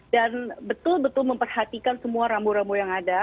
dan betul betul memperhatikan semua ramu ramu yang ada